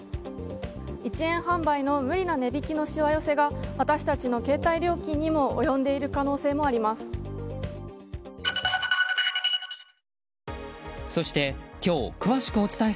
１円販売の無理な値引きのしわ寄せが私たちの携帯料金にも及んでいる可能性もあります。